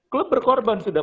klub berkorban sudah